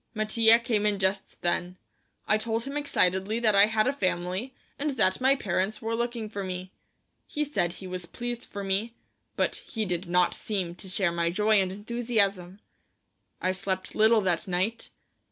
Mattia came in just then. I told him excitedly that I had a family, and that my parents were looking for me. He said he was pleased for me, but he did not seem to share my joy and enthusiasm. I slept little that night.